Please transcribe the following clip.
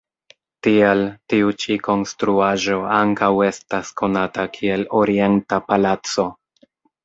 Tial, tiu ĉi konstruaĵo ankaŭ estas konata kiel Orienta Palaco.